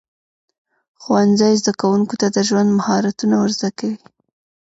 ښوونځی زده کوونکو ته د ژوند مهارتونه ورزده کوي.